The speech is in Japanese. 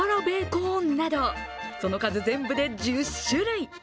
コーンなどその数、全部で１０種類。